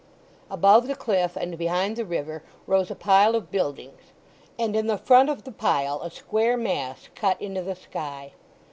Above the cliff, and behind the river, rose a pile of buildings, and in the front of the pile a square mass cut into the sky.